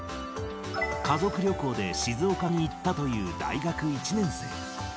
家族旅行で静岡に行ったという大学１年生。